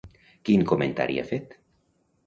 Quin comentari ha fet?